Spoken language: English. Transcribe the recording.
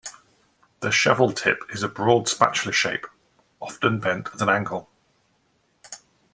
The "shovel" tip is a broad spatula shape, often bent at an angle.